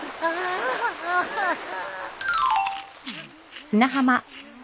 アハハハ。